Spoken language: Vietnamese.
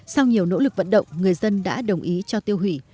sau nhiều nỗ lực vận động người dân đã đồng ý cho tiêu hủy